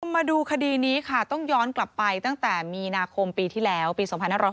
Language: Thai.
มาดูคดีนี้ค่ะต้องย้อนกลับไปตั้งแต่มีนาคมปีที่แล้วปี๒๕๖๐